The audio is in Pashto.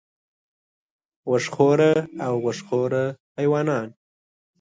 وښ خوره او غوښ خوره حیوانان